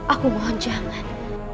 aku mohon jangan